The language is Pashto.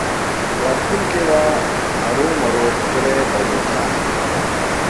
راتلونکی به هرومرو ښکلی او روښانه وي